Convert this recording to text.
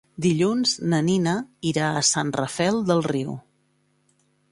Dilluns na Nina irà a Sant Rafel del Riu.